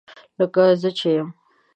لکه زه چې یم